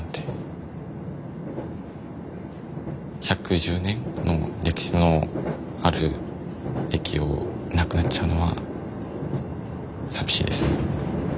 １１０年の歴史のある駅をなくなっちゃうのは寂しいです。